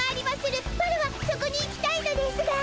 ワラワそこに行きたいのですが。